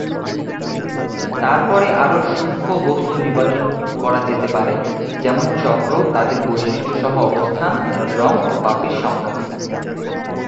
তারপরে আরও সূক্ষ্ম বস্তু নির্বাচন করা যেতে পারে, যেমন চক্র, তাদের বৈশিষ্ট্য সহ অবস্থান, রঙ ও পাপড়ির সংখ্যা।